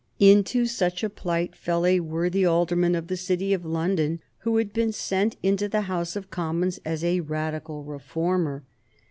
Into such a plight fell a worthy alderman of the City of London who had been sent into the House of Commons as a Radical reformer.